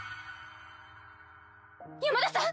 山田さん！